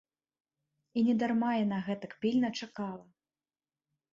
І недарма яна гэтак пільна чакала.